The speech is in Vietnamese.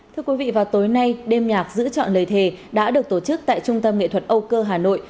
thưa quý vị vào tối nay đêm nhạc giữ chọn lời thề đã được tổ chức tại trung tâm nghệ thuật âu cơ hà nội